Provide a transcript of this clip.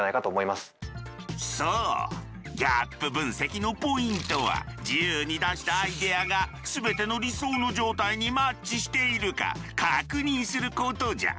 そうギャップ分析のポイントは自由に出したアイデアが全ての理想の状態にマッチしているか確認することじゃ！